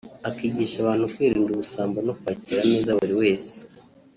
akigisha abantu kwirinda ubusambo no kwakira neza buri wese